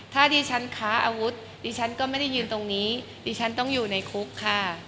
ถ้าดิฉันค้าอาวุธดิฉันก็ไม่ได้ยืนตรงนี้ดิฉันต้องอยู่ในคุกค่ะ